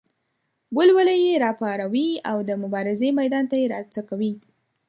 ولولې یې راوپاروي او د مبارزې میدان ته یې راوڅکوي.